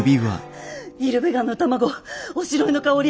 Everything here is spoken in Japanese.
イルベガンの卵おしろいの香り。